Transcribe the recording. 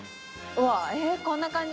うわえっこんな感じ。